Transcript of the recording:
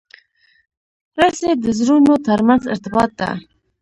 رسۍ د زړونو ترمنځ ارتباط ده.